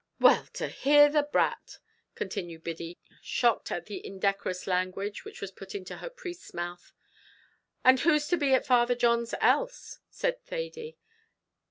'" "Well, to hear the brat!" continued Biddy, shocked at the indecorous language which was put into her priest's mouth. "And who's to be at Father John's else?" said Thady.